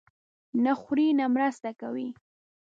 نه خوري، نه مرسته کوي.